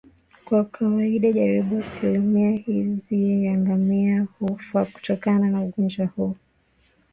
Kwa kawaida karibu asilimia hivi ya ngamia hufa kutokana na ugonjwa huu